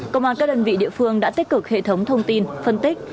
công an các đơn vị địa phương đã tích cực hệ thống thông tin phân tích